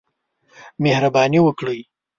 مهرباني وکړئ